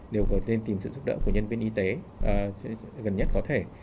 đều có thêm tìm sự giúp đỡ của nhân viên y tế gần nhất có thể